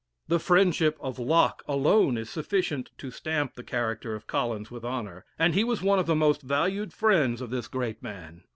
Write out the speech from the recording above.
The friendship of Locke alone is sufficient to stamp the character of Collins with honor, and he was one of the most valued friends of this great man.